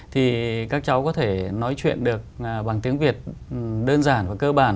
thì các cháu có thể nói chuyện được bằng tiếng việt đơn giản và cơ bản